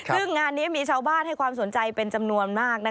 ซึ่งงานนี้มีชาวบ้านให้ความสนใจเป็นจำนวนมาก